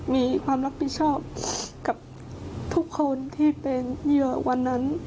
มีความรับผิดชอบกับทุกคนที่เป็นเหยื่อวันนั้น